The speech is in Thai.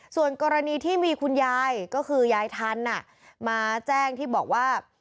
ส่วนกรณีที่มีคุณยายก็คือยายทันมาแจ้งที่บอกว่า